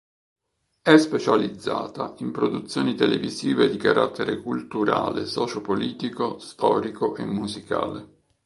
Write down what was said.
È specializzata in produzioni televisive di carattere culturale, socio-politico, storico e musicale.